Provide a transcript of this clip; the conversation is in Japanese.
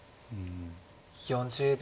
４０秒。